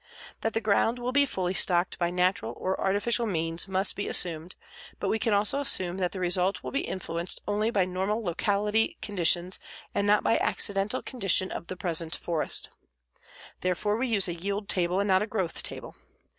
That the ground will be fully stocked by natural or artificial means must be assumed, but we can also assume that the result will be influenced only by normal locality conditions and not by accidental condition of the present forest. Therefore we use a yield table and not a growth table.